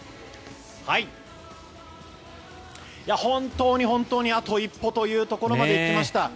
本当に本当にあと一歩というところまで行きました。